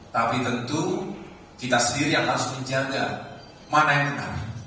tapi tentu kita sendiri yang harus menjaga mana yang kami